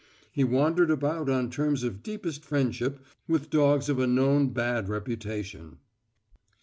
He wandered about on terms of deepest friendship with dogs of a known bad reputation.